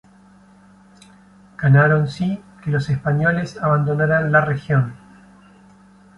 Ganaron, sí, que los españoles abandonaran la región.